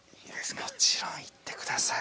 もちろんいってください。